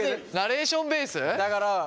ナレーションベース？だから。